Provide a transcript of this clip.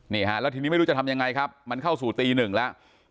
นี่ฮะแล้วทีนี้ไม่รู้จะทำยังไงครับมันเข้าสู่ตีหนึ่งแล้ว